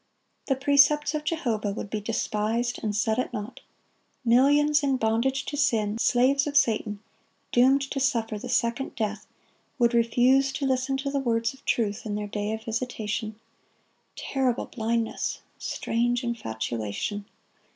The precepts of Jehovah would be despised and set at naught. Millions in bondage to sin, slaves of Satan, doomed to suffer the second death, would refuse to listen to the words of truth in their day of visitation. Terrible blindness! strange infatuation!